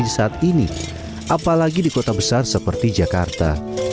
saat ini apalagi di kota besar seperti jakarta